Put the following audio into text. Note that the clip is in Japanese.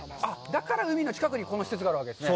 だから海の近くにこの施設があるわけですね。